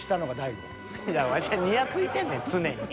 ワシはニヤついてんねん常に。